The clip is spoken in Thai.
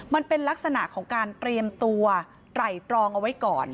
มันเป็นลักษณะของการเตรียมตัวไตรตรองเอาไว้ก่อน